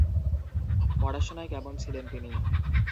পড়াশুনায় কেমন ছিলেন তিনি?